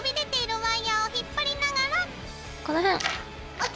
ＯＫ！